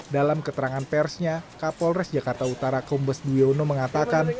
dalam keterangan persnya kapolres jakarta utara kombes duyono mengatakan